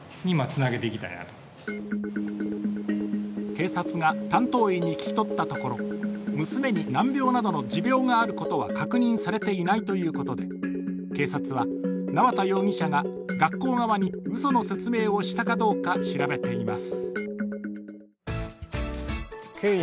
警察が担当医に聞き取ったところ、娘に難病などの持病があることは確認されていないということで、警察は縄田容疑者が学校側にうその説明をしたかどうか調べています。